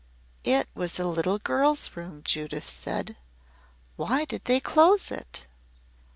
"It was a little girl's room," Judith said. "Why did they close it?"